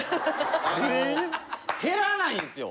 あの減らないんですよ。